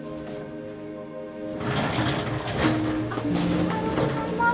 おはようございます。